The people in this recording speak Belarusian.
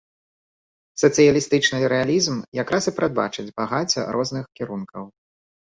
Сацыялістычны рэалізм якраз і прадбачыць багацце розных кірункаў.